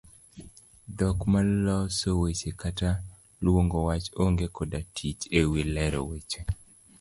Dhok ma loso weche kata luong'o wach onge' koda tich ewi lero weche.